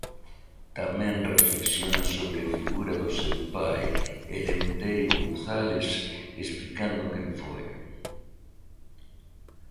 Tamén reflexiona sobre a figura do seu pai, Eleuterio González, explicando quen foi.